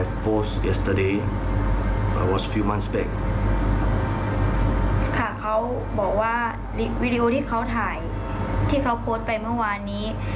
ค่ะเขาบอกว่าวีดีโอที่เขาถ่ายที่เขาโพสต์ไปเมื่อวานนี้